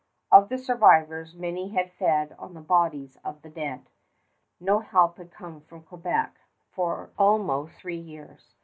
Of the survivors, many had fed on the bodies of the dead. No help had come from Quebec for almost three years.